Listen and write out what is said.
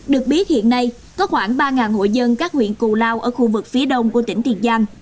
được biết hiện nay có khoảng ba hộ dân các huyện cù lao ở khu vực phía đông của tỉnh tiền giang